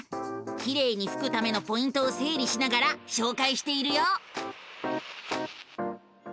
きれいにふくためのポイントをせいりしながらしょうかいしているよ！